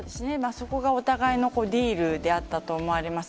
そこがお互いのディールであったと思われます。